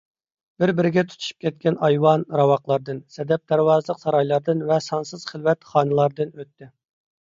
بىر - بىرىگە تۇتىشىپ كەتكەن ئايۋان، راۋاقلاردىن، سەدەب دەرۋازىلىق سارايلاردىن ۋە سانسىز خىلۋەت خانىلاردىن ئۆتتى.